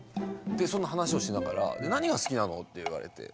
そんな話をしながら「何が好きなの？」って言われて。